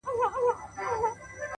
چي نه عادت نه ضرورت وو. مينا څه ډول وه.